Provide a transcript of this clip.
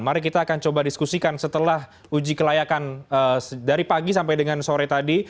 mari kita akan coba diskusikan setelah uji kelayakan dari pagi sampai dengan sore tadi